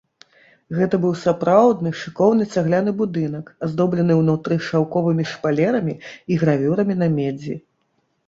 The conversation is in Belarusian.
Гэта быў сапраўдны шыкоўны цагляны будынак, аздоблены ўнутры шаўковымі шпалерамі і гравюрамі на медзі.